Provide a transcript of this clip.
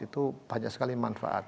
itu banyak sekali manfaat